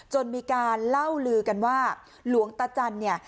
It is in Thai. จนมีการเล่าลือกันว่าหลวงตาจันเนี่ย